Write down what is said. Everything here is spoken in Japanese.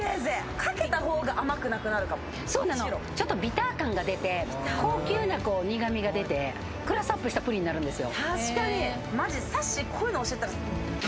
かけたほうちょっとビター感が出て、高級な苦味が出て、クラスアップしたプリンになるんですよ。